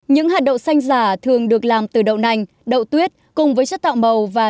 những hạt đậu xanh giả thường được làm từ đậu nành đậu tuyết cùng với chất tạo màu và